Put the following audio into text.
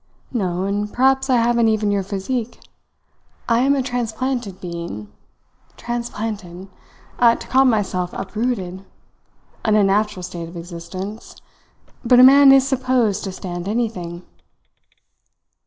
"No, and perhaps I haven't even your physique. I am a transplanted being. Transplanted! I ought to call myself uprooted an unnatural state of existence; but a man is supposed to stand anything."